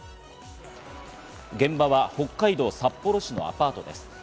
現場は北海道札幌市のアパートです。